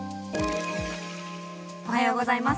おはようございます。